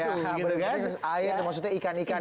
ya bening bening air maksudnya ikan ikan